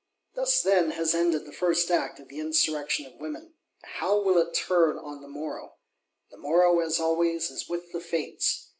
Thus, then, has ended the First Act of the Insurrection of Women. How it will turn on the morrow? The morrow, as always, is with the Fates!